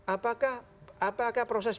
apakah apakah proses